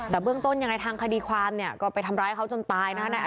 แต่เบื้องต้นยังไงทางคดีความเนี่ยก็ไปทำร้ายเขาจนตายนะฮะ